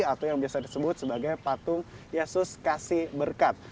atau yang biasa disebut sebagai patung yesus kasih berkat